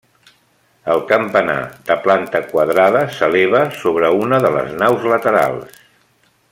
El campanar, de planta quadrada, s'eleva sobre una de les naus laterals.